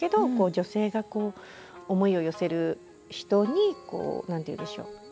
女性が思いを寄せる人に何て言うんでしょう